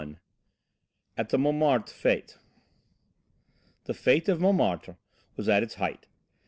XXI AT THE MONTMARTRE FÊTE The fête of Montmartre was at its height.